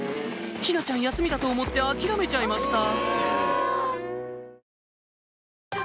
陽菜ちゃん休みだと思って諦めちゃいました